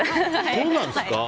どうなんですか？